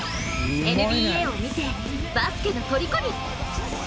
ＮＢＡを見て、バスケのとりこに。